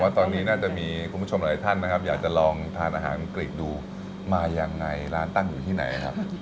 ตอนนี้น่าจะมีคุณผู้ชมหลายท่านนะครับอยากจะลองทานอาหารกฤษดูมายังไงร้านตั้งอยู่ที่ไหนครับ